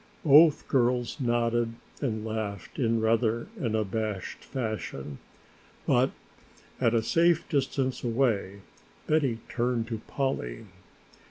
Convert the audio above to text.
Both girls nodded and laughed in rather an abashed fashion. But at a safe distance away Betty turned to Polly.